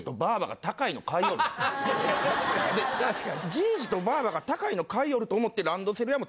じいじとばあばが高いの買いよると思って。